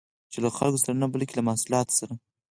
چې له خلکو سره نه، بلکې له محصولات سره